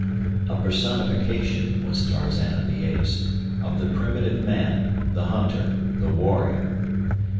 A personification, was Tarzan of the Apes, of the primitive man, the hunter, the warrior.